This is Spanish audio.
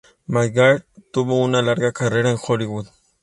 McGuire tuvo una larga carrera en Hollywood.